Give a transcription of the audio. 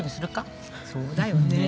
そうだよね。